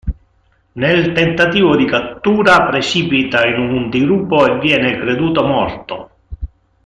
Nel tentativo di cattura precipita in un dirupo e viene creduto morto.